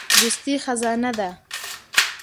دوستي خزانه ده.